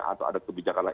atau ada kebijakan lain